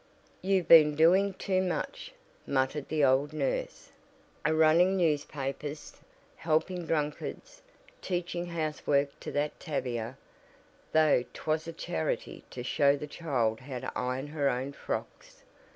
"You've been doin' too much," muttered the old nurse, "a runnin' newspapers, helpin' drunkards, teachin' housework to that Tavia, though 'twas a charity to show the child how to iron her own frocks.